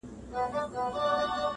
• تاریخ کي یوازینی مشر دی -